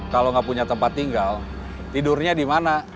kalau nggak punya tempat tinggal tidurnya di mana